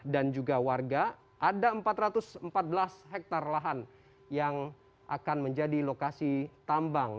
dan juga warga ada empat ratus empat belas hektar lahan yang akan menjadi lokasi tambang